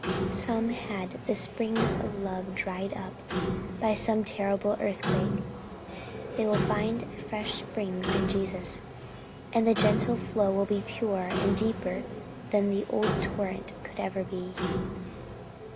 Some have had the springs of love dried up by some terrible earthquake. They will find 'fresh springs' in Jesus, and the gentle flow will be purer and deeper than the old torrent could ever be.